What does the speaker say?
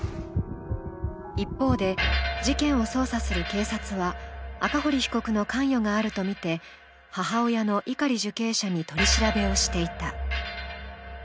一方で、事件を捜査する警察は赤堀被告の関与があるとみて、母親の碇受刑者に取り調べをしていた。